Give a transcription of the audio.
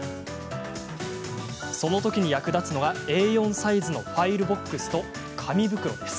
そのときに役立つのがＡ４サイズのファイルボックスと紙袋です。